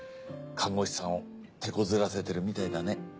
看護師さんをてこずらせてるみたいだね。